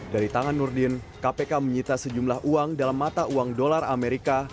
dari tangan nurdin kpk menyita sejumlah uang dalam mata uang dolar amerika